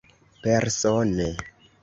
Persone.